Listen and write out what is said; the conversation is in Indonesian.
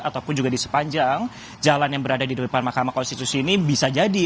ataupun juga di sepanjang jalan yang berada di depan mahkamah konstitusi ini bisa jadi